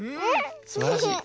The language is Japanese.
すばらしい。